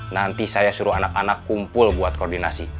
nanti saya suruh anak anak kumpul buat koordinasi